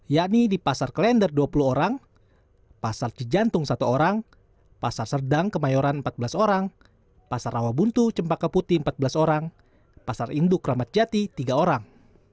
yakni di pasar klender dua puluh orang pasar cijantung satu orang pasar serdang kemayoran empat belas orang pasar rawabuntu cempaka putih empat belas orang pasar induk ramadjati tiga orang